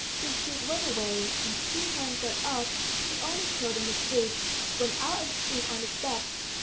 The steward went away, and Stepan got up, put on his coat and his boots, went out and stood on the steps.